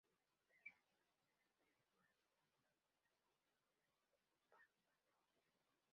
Fue enterrado en el Cementerio Valhalla Memorial Park de Burbank, California.